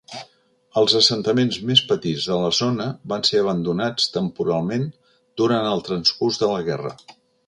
Els assentaments més petits de la zona van ser abandonats temporalment durant el transcurs de la guerra.